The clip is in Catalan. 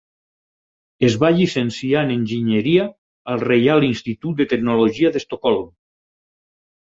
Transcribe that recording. Es va llicenciar en enginyeria al Reial Institut de Tecnologia d'Estocolm.